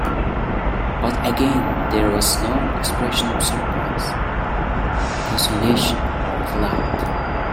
But again there was no expression of surprise, consternation, or delight.